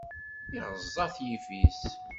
iɣeẓẓa-t yiffis.